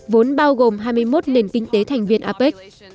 vốn bao gồm hai mươi một nền kinh tế thành viên apec